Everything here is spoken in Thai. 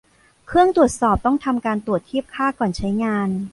เครื่องตรวจสอบต้องทำการตรวจเทียบค่าก่อนใช้งาน